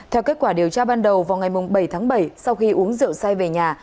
theo kết quả điều tra ban đầu vào ngày bảy tháng bảy sau khi uống rượu say về nhà